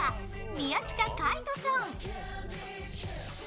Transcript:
宮近海斗さん。